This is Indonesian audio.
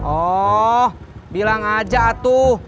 oh bilang aja atuh